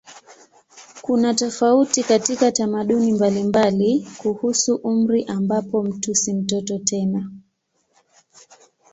Kuna tofauti katika tamaduni mbalimbali kuhusu umri ambapo mtu si mtoto tena.